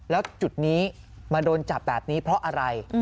แล้วจุดนี้มาโดนจับแบบนี้เพราะอะไร